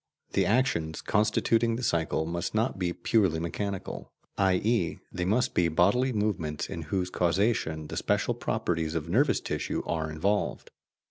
The actions constituting the cycle must not be purely mechanical, i.e. they must be bodily movements in whose causation the special properties of nervous tissue are involved.